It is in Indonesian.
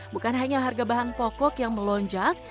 bukan hanya harga bahan pokok yang melonjak